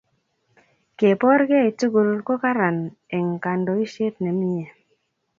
kepoor kei tugul ko Karan eng kandoishet ne mie